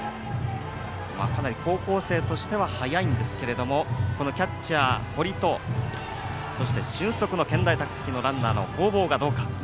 かなり高校生としては速いんですけれどもこのキャッチャー堀とそして、俊足の健大高崎の攻防がどうか。